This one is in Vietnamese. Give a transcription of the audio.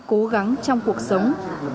cố gắng trong cuộc sống